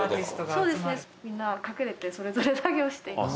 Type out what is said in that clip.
そうですねみんな隠れてそれぞれ作業しています。